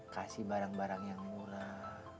kasih barang barang yang murah